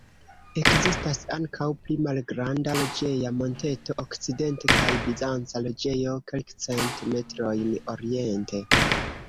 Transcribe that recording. Ekzistas ankaŭ pli malgranda loĝeja monteto okcidente kaj bizanca loĝejo kelkcent metrojn oriente.